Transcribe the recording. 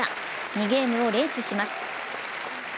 ２ゲームを連取します。